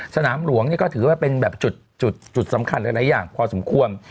สนามหลวงนี่ก็ถือว่าเป็นแบบจุดสำคัญหลายอย่างพอสมควร